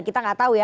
kita gak tahu ya